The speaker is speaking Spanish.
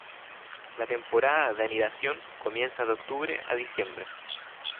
La temporada de anidación comienza de octubre a diciembre.